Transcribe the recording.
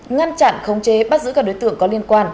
ngăn chặn khống chế bắt giữ các đối tượng có liên quan